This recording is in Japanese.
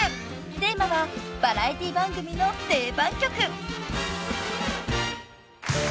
テーマはバラエティー番組の定番曲］